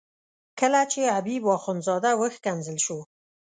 کله چې حبیب اخندزاده وښکنځل شو.